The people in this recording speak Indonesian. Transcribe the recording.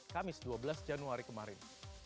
kamis dua belas januari kemarin